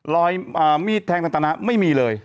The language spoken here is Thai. รอยมีดแท้งตั้งตานนะไม่มีเลย